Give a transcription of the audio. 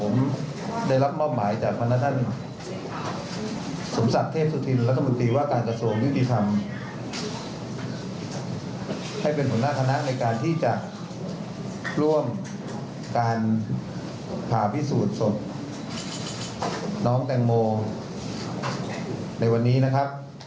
นี่ค่ะเดี๋ยวเราไปฟังการแถลงกันสดเลยนะคะ